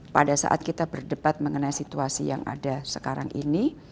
pada saat kita berdebat mengenai situasi yang ada sekarang ini